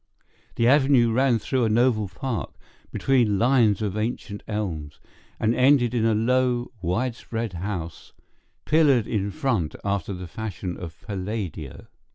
The avenue ran through a noble park, between lines of ancient elms, and ended in a low, widespread house, pillared in front after the fashion of Palladio.